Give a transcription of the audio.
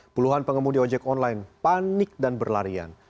puluhan pengemudi ojek online panik dan berlarian